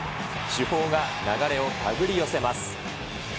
主砲が流れを手繰り寄せます。